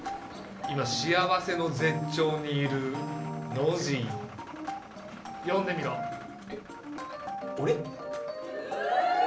今幸せの絶頂にいるノジー読んでみろえっ俺？